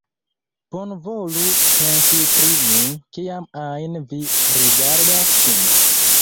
Bonvolu pensi pri mi, kiam ajn vi rigardas ŝin.